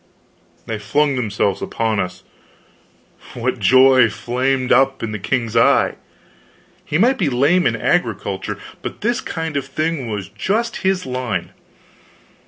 they flung themselves upon us. What joy flamed up in the king's eye! He might be lame in agriculture, but this kind of thing was just in his line.